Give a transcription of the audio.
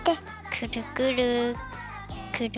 くるくるくる。